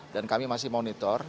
dan kami masih monitor